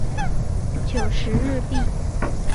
九十日币